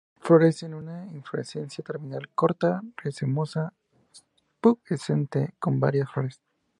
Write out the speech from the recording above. Florece en una inflorescencia terminal, corta, racemosa, pubescente con varias flores.